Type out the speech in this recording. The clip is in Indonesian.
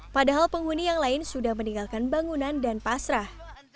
padahal penghuni yang lain sudah meninggalkan bangunan dan pasrah